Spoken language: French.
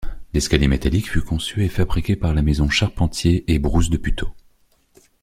L'escalier métallique fut conçu et fabriqué par la maison Charpentier et Brousse de Puteaux.